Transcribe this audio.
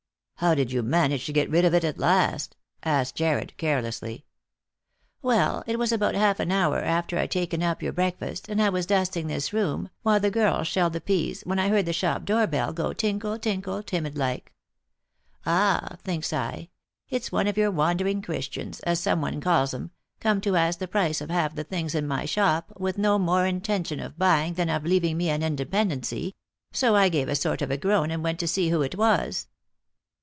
" How did you manage to get rid of it at last ?" asked Jarred carelessly. " Well, it was about half an hour after I'd taken up your break fast, and I was dusting this room, while the girl shelled the peas, when I heard the shop door bell go tinkle tinkle, timid like. ' Ah,' thinks I, " it's one of your wandering Christians, as some one calls 'em, come to ask the price of half the things in my shop, with no more intention of buying than of leaving me an independency;' so I gave a sort of a groan and went to see who it was."